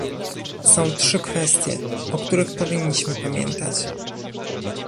Są trzy kwestie, o których powinniśmy pamiętać